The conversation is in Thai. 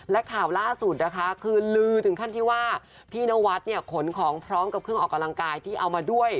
และข่าวล่าสุดนะคะคือลือถึงขั้นที่ว่าพี่นวัดเนี่ยขนของพร้อมกับเครื่องออกกำลังกายที่เอามาด้วย